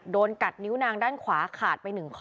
โดนกัดนิ้วนางด้านขวาขาดไป๑ข้อ